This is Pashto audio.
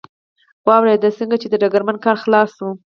واورېد، څنګه چې د ډګرمن کار خلاص شو.